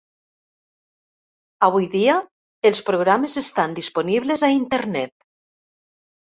Avui dia, els programes estan disponibles a internet.